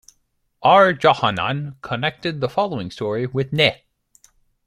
R. Johanan connected the following story with Neh.